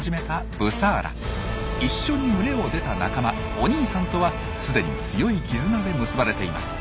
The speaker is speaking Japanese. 一緒に群れを出た仲間お兄さんとはすでに強い絆で結ばれています。